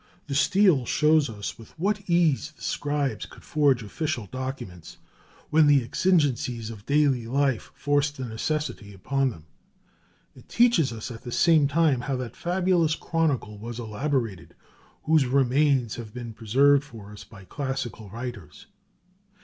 The stele shows us with what ease the scribes could forge official documents when the exigencies of daily life forced the necessity upon them; it teaches us at the same time how that fabulous chronicle was elaborated, whose remains have been preserved for us by classical writers.